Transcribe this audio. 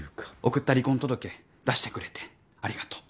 送った離婚届出してくれてありがとう。